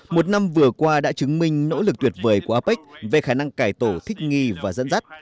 một năm vừa qua đã chứng minh nỗ lực tuyệt vời của apec về khả năng cải tổ thích nghi và dẫn dắt